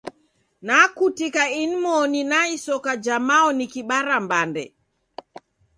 Nekutika inmoni na isoka ja mao nikibara mbande